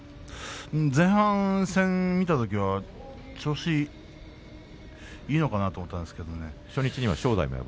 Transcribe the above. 前半戦、見たときは調子いいのかなと思ったんですが。